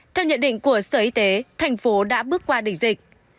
theo nhận định của sở y tế thành phố đã bước qua đỉnh dịch